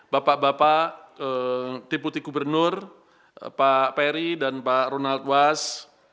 bapak bapak deputi gubernur pak peri dan pak ronald was